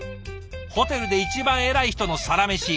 ホテルで一番偉い人のサラメシ。